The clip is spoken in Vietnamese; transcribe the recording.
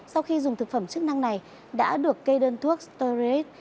sau khi dùng thực phẩm chức năng này đã được cây đơn thuốc stoeric